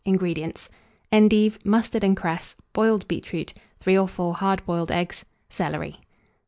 INGREDIENTS. Endive, mustard and cress, boiled beetroot, 3 or 4 hard boiled eggs, celery.